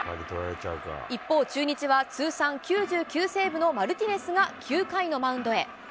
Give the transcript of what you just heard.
一方、中日は通算９９セーブのマルティネスが９回のマウンドへ。